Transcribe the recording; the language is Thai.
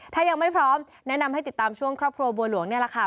ถ้ายังไม่พร้อมแนะนำให้ติดตามช่วงครอบครัวบัวหลวงนี่แหละค่ะ